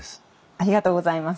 ありがとうございます。